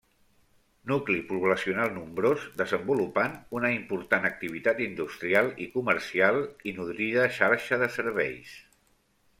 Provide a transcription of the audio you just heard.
Nucli poblacional nombrós, desenvolupant una important activitat industrial i comercial, i nodrida xarxa de serveis.